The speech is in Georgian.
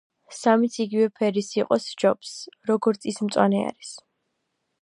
სამიც იგივე ფერი იყოს სჯობს, როგორც ის მწვანე არის.